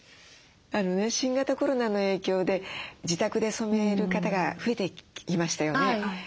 新型コロナの影響で自宅で染める方が増えてきましたよね。